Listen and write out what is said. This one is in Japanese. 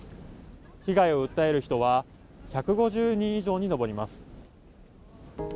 被害を訴える人は１５０人以上に上ります。